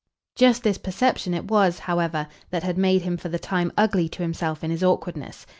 Just this perception it was, however, that had made him for the time ugly to himself in his awkwardness.